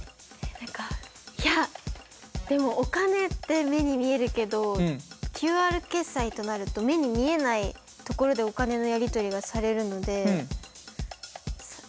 何かいやでもお金って目に見えるけどＱＲ決済となると目に見えないところでお金のやり取りがされるので「〇」？